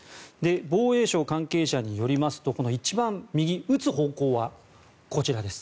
防衛省関係者によりますと撃つ方向はこちらです。